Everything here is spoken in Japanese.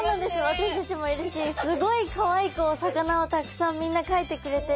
私たちもいるしすごいかわいくお魚をたくさんみんな描いてくれてるし。